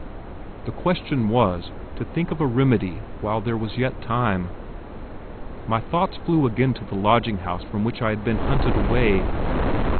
The question was, to think of a remedy while there was yet time. My thoughts flew again to the lodging house from which I had been hunted away.